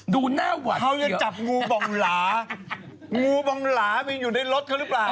เพราะจะจับงูบองลามีอยู่ในรถเขาหรือเปล่า